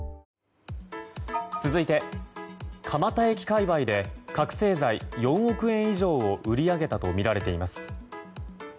続いて蒲田駅界隈で覚醒剤４億円以上を売り上げたとみられています。